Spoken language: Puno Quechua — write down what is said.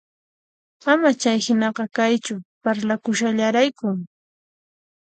Ama chayhinaqa kaychu, parlakushallaraykun